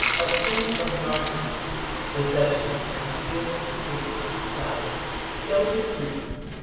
A scent of narcissus the Duchess had filled the tables with flowers floated in the room.